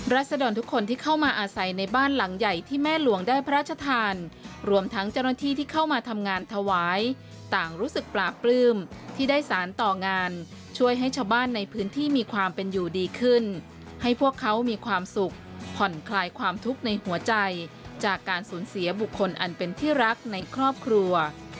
ศดรทุกคนที่เข้ามาอาศัยในบ้านหลังใหญ่ที่แม่หลวงได้พระราชทานรวมทั้งเจ้าหน้าที่ที่เข้ามาทำงานถวายต่างรู้สึกปลาปลื้มที่ได้สารต่องานช่วยให้ชาวบ้านในพื้นที่มีความเป็นอยู่ดีขึ้นให้พวกเขามีความสุขผ่อนคลายความทุกข์ในหัวใจจากการสูญเสียบุคคลอันเป็นที่รักในครอบครัว